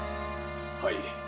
はい。